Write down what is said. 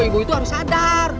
ibu itu harus sadar